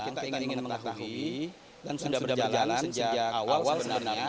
kita ingin mengetahui dan sudah berjalan sejak awal sebenarnya